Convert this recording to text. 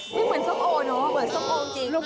ไม่เหมือนส้มโอร์เหรอแต่เป็นส้มโอร์จริง